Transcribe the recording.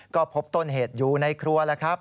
ก็พบต้นเหตุอยู่ในครัวแล้วครับ